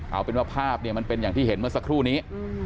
เอาเป็นว่าภาพเนี่ยมันเป็นอย่างที่เห็นเมื่อสักครู่นี้